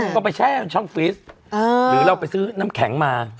ก็ไปแช่ช่องฟิสหรือเราไปซื้อน้ำแข็งมา